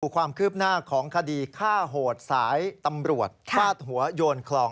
ความคืบหน้าของคดีฆ่าโหดสายตำรวจฟาดหัวโยนคลอง